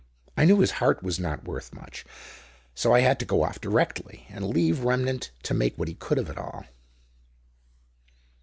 I knew his heart was not worth much, so I had to go off directly, and leave Remnant to make what he could of it all."